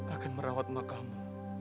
akan merawat makamu